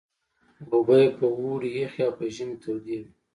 اوبه یې په اوړي یخې او په ژمي تودې وې.